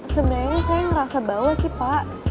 sebenarnya saya ngerasa bawa sih pak